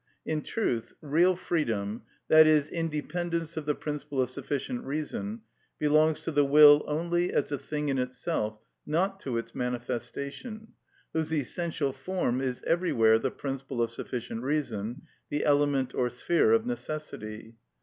In truth, real freedom, i.e., independence of the principle of sufficient reason, belongs to the will only as a thing in itself, not to its manifestation, whose essential form is everywhere the principle of sufficient reason, the element or sphere of necessity.